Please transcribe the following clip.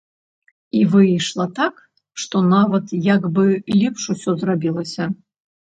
І выйшла так, што нават як бы лепш усё зрабілася.